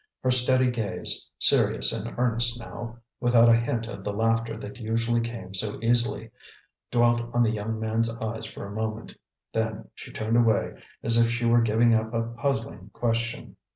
Her steady gaze, serious and earnest now, without a hint of the laughter that usually came so easily, dwelt on the young man's eyes for a moment, then she turned away as if she were giving up a puzzling question.